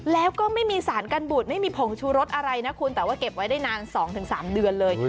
แล้วก็ไม่มีสารกันบูดไม่มีผงชูรสอะไรนะคุณแต่ว่าเก็บไว้ได้นาน๒๓เดือนเลย